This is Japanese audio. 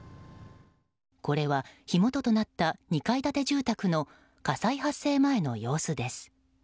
これは火元となった２階建て住宅の火災発生前の様子です。